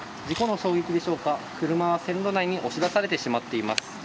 事故の衝撃でしょうか、車は線路内に押し出されてしまっています。